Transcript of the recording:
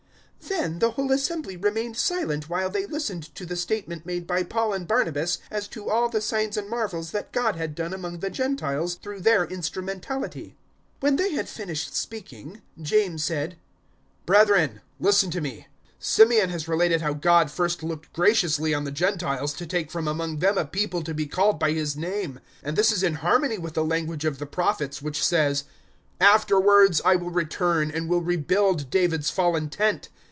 015:012 Then the whole assembly remained silent while they listened to the statement made by Paul and Barnabas as to all the signs and marvels that God had done among the Gentiles through their instrumentality. 015:013 When they had finished speaking, James said, "Brethren, listen to me. 015:014 Symeon has related how God first looked graciously on the Gentiles to take from among them a People to be called by His name. 015:015 And this is in harmony with the language of the Prophets, which says: 015:016 "`"Afterwards I will return, and will rebuild David's fallen tent.